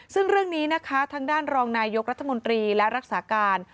ซึ่งเรื่องนี้นะคะทางด้านรองนายกรัฐมนตรีและรักษาการ